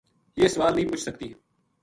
یہ سوال نیہہ پُچھ سکتی